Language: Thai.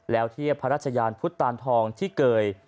แล้วเทียบพระราชยานพุทธตานทองที่เกย